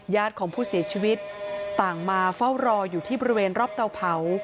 ของผู้เสียชีวิตต่างมาเฝ้ารออยู่ที่บริเวณรอบเตาเผา